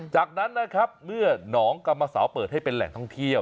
จากนั้นนะครับเมื่อหนองกรรมสาวเปิดให้เป็นแหล่งท่องเที่ยว